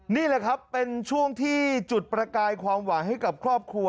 นี่แหละครับเป็นช่วงที่จุดประกายความหวังให้กับครอบครัว